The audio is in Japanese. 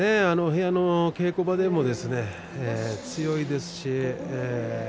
部屋の稽古場でも強いですし